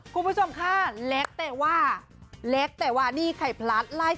คุณผู้ชมค่ะแรกแต่ว่าแรกแต่ว่านี่ไข่พร้าชไลฟ์